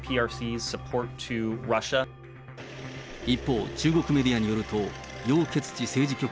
一方、中国メディアによると、楊潔ち政治